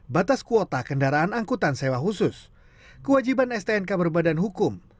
batas kuota kendaraan angkutan sewa khusus kewajiban stnk berbadan hukum